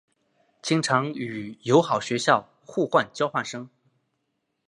经常与友好学校互换交换生。